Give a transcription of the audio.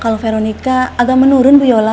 kalau veronica agak menurun bu yola